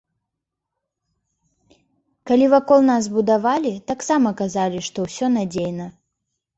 Калі вакол нас будавалі, таксама казалі, што ўсё надзейна.